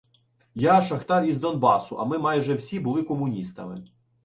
Я шахтар із Донбасу, а ми майже всі були комуністами.